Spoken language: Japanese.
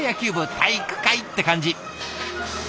体育会って感じ。